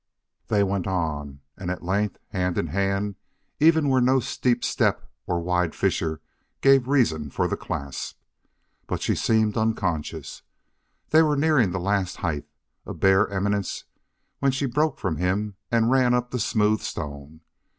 They went on, and at length, hand in hand, even where no steep step or wide fissure gave reason for the clasp. But she seemed unconscious. They were nearing the last height, a bare eminence, when she broke from him and ran up the smooth stone.